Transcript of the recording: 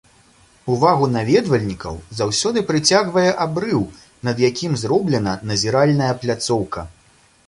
Увагу наведвальнікаў заўсёды прыцягвае абрыў, над якім зроблена назіральная пляцоўка.